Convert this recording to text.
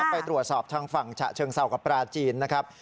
ไปตรวจสอบทางฝั่งฉะเชิงเศร้ากับปลาจีนนะครับ